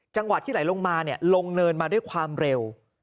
จังหวะที่ไหลลงมาลงเนินมาด้วยความเร็ว